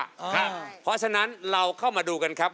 เพราะฉะนั้นเราเข้ามาดูกันครับ